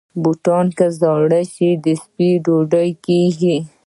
بوټونه که زاړه شي، د سپي ډوډۍ کېږي.